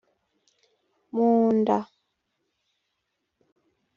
mu nda